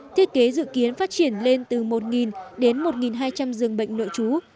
thiết kế dự kiến phát triển lên từ một đến một hai trăm linh giường bệnh nội trú